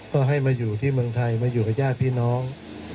ก็ให้มาอยู่ที่เมืองไทยมาอยู่กับญาติพี่น้อง